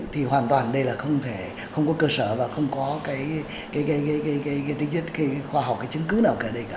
thì hoàn toàn đây là không có cơ sở và không có cái tính chất cái khoa học cái chứng cứ nào cả đây cả